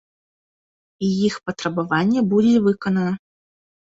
І іх патрабаванне будзе выканана.